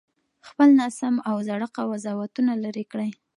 خپل ناسم او زاړه قضاوتونه لرې کړئ.